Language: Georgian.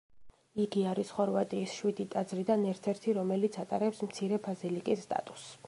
იგი არის ხორვატიის შვიდი ტაძრიდან ერთ-ერთი, რომელიც ატარებს მცირე ბაზილიკის სტატუსს.